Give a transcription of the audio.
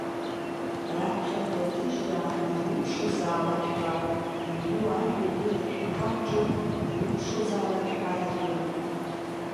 Раԥхьатәи аҭыжьраан иулшозаалакь ҳәа иҩу ажәа, егьырҭ ашәҟәқәа рҿы иулшозаалак ҳәа ирнуп.